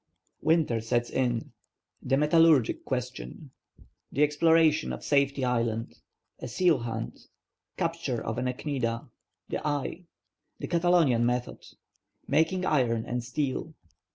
WINTER SETS IN—THE METALLUGRIC QUESTION—THE EXPLORATION OF SAFETY ISLAND—A SEAL HUNT—CAPTURE OF AN ECHIDNA—THE AI—THE CATALONIAN METHOD—MAKING IRON AND STEEL.